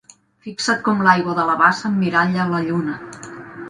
Fixa't com l'aigua de la bassa emmiralla la lluna!